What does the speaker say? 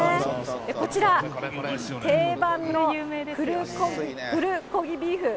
こちら、定番のプルコギビーフ。